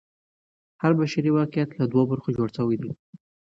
هر بشري واقعیت له دوو برخو جوړ سوی دی.